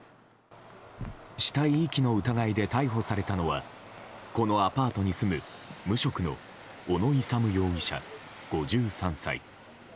死体遺棄の疑いで逮捕されたのはこのアパートに住む無職の小野勇容疑者、５３歳。